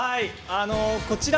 こちら。